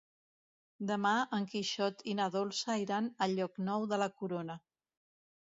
Demà en Quixot i na Dolça iran a Llocnou de la Corona.